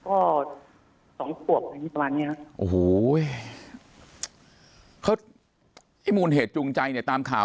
โอ้โหเว้ยก็ได้มึงเฮศจูงใจเนี่ยตามข่าว